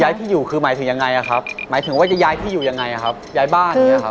ที่อยู่คือหมายถึงยังไงอ่ะครับหมายถึงว่าจะย้ายที่อยู่ยังไงครับย้ายบ้านอย่างเงี้ครับ